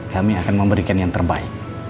kami akan memberikan yang terbaik